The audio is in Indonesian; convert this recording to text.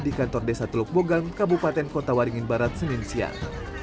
di kantor desa teluk bogang kabupaten kota waringin barat senin siang